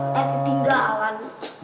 tau eh ketinggalan